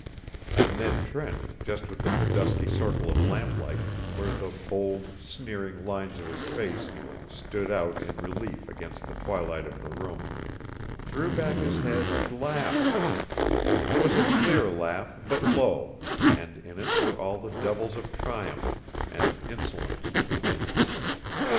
And Ned Trent, just within the dusky circle of lamplight, where the bold, sneering lines of his face stood out in relief against the twilight of the room, threw back his head and laughed. It was a clear laugh, but low, and in it were all the devils of triumph, and of insolence.